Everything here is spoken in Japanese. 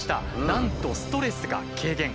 なんとストレスが軽減。